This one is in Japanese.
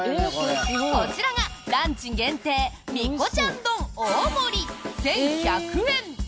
こちらがランチ限定みこちゃん丼大盛り１１００円。